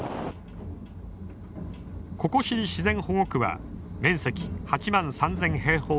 ココシリ自然保護区は面積８万３，０００。